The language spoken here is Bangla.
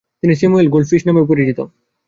তিনি স্যামুয়েল গোল্ডফিশ নামেও পরিচিত।